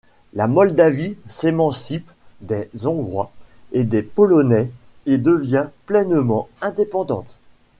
La Moldavie s’émancipe des Hongrois et des Polonais et devient pleinement indépendante.